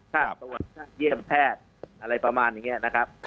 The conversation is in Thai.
ค่าตรวจค่าเยี่ยมแพทย์อะไรประมาณอย่างนี้นะครับ